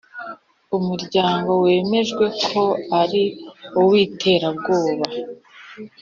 umuryango wemejwe ko ari uw’iterabwoba